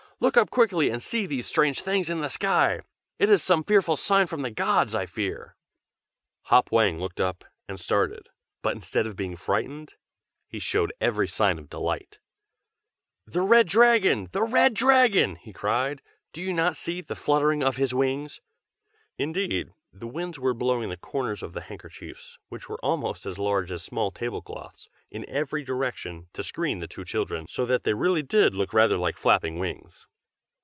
"Look up quickly, and see these strange things in the sky! it is some fearful sign from the gods, I fear." Hop Wang looked up, and started; but instead of being frightened, he showed every sign of delight. "The Red Dragon! the Red Dragon!" he cried. "Do you not see the fluttering of his wings?" (Indeed, the Winds were blowing the corners of the handkerchiefs, which were almost as large as small tablecloths, in every direction, to screen the two children, so that they really did look rather like flapping wings.)